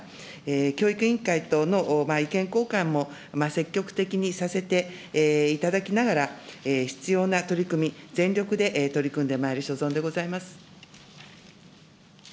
教育委員会等の意見交換も積極的にさせていただきながら、必要な取り組み、全力で取り組んでまいる所存でございます。